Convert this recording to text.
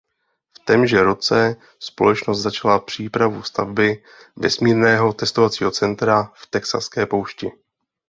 V témže roce společnost začala přípravu stavby vesmírného testovacího centra v texaské poušti.